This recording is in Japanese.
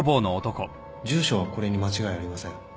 住所はこれに間違いありません。